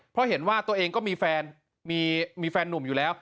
เพราะเห็นว่าตัวเองก็มีแฟนมีแฟนหนุ่มอยู่แล้ว